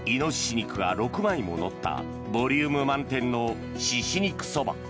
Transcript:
肉が６枚も乗ったボリューム満点の猪肉そば。